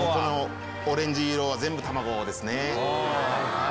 オレンジ色は全部卵ですね。